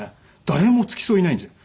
誰も付き添いいないんですよ。